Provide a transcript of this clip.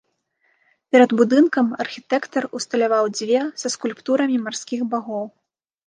Перад будынкам архітэктар усталяваў дзве са скульптурамі марскіх багоў.